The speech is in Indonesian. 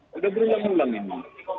sudah berulang ulang ini